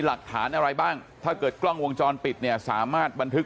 หลักฐานอะไรบ้างถ้าเกิดกล้องวงจรปิดเนี่ยสามารถบันทึก